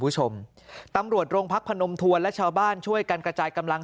คุณผู้ชมตำรวจโรงพักพนมทวนและชาวบ้านช่วยกันกระจายกำลัง